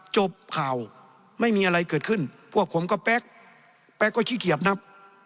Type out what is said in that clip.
จบข่าวไม่มีอะไรเกิดขึ้นพวกผมก็แป๊กแป๊กก็ขี้เกียจนะ